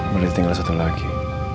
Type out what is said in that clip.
boleh tinggal satu lagi